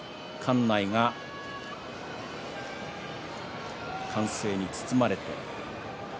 館内が歓声に包まれています。